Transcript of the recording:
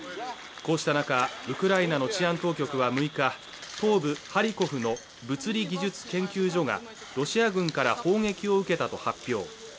こうした中ウクライナの治安当局は６日東部ハリコフの物理技術研究所がロシア軍から砲撃を受けたと発表